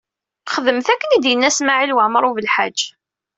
Xedmet akken i d-yenna Smawil Waɛmaṛ U Belḥaǧ.